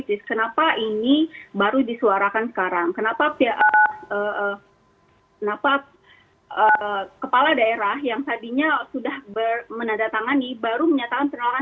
saya pikir batalnya indonesia menjadi tuan rumah piala